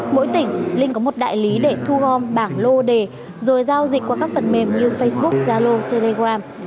mỗi tỉnh linh có một đại lý để thu gom bảng lô đề rồi giao dịch qua các phần mềm như facebook zalo telegram